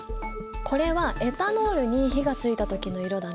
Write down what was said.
これはエタノールに火がついた時の色だね。